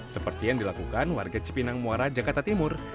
seperti yang dilakukan warga cipinang muara jakarta timur